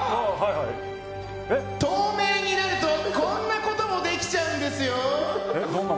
透明になるとこんなこともできちゃうんですよ！